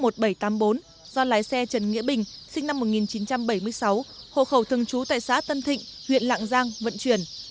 do lái xe trần nghĩa bình sinh năm một nghìn chín trăm bảy mươi sáu hộ khẩu thường trú tại xã tân thịnh huyện lạng giang vận chuyển